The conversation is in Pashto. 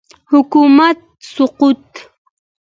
حکومت سقوط